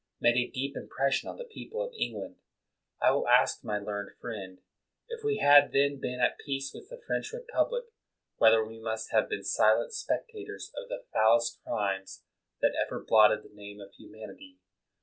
made a deep impression on the people of England. I will ask my learned friend, if we had then been at peace with the French Repub lic whether we must have been silent spectators of the foulest crimes that ever blotted the name of humanity!